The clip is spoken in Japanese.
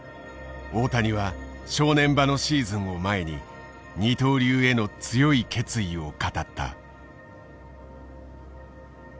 大谷は正念場のシーズンを前に二刀流への強い決意を語った。